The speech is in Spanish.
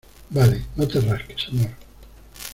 vale. no te rasques, amor .